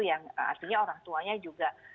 artinya orang tuanya juga